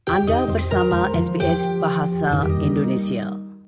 anda bersama sbs bahasa indonesia